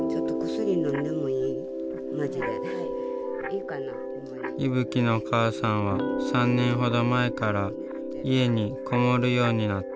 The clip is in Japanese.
いぶきのお母さんは３年ほど前から家にこもるようになった。